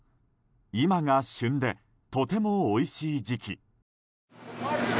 今が旬で、とてもおいしい時期。